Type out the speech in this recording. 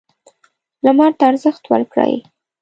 لمر ته ارزښت ورکړئ.